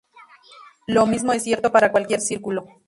Lo mismo es cierto para cualquier círculo.